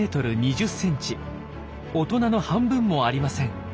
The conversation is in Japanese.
大人の半分もありません。